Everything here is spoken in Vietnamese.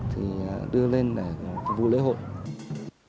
thì đưa lên để vù lễ hội